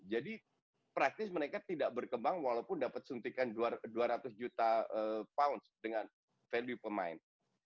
jadi praktis mereka tidak berkembang walaupun dapat suntikan dua ratus juta pound dengan value pemain